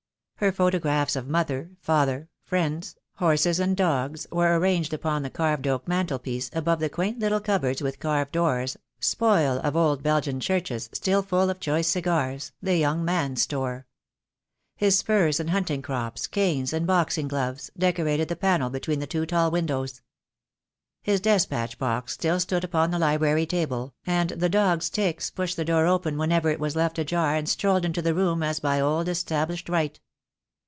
Her photographs of mother, father, friends, horses, and dogs, were arranged upon the carved oak mantelpiece, above the quaint little cupboards with carved doors, spoil of old Belgian churches, still full of choice cigars, the young man's store. His spurs and hunting crops, canes, and boxing gloves, decorated the panel between the two tall windows. His despatch box still stood upon the library table, and the dog Styx pushed the door open whenever it was left ajar and strolled into the room as by old established right.